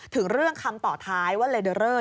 ถึงเรื่องคำต่อท้ายว่าเรดเดอร์เลอร์เนี่ย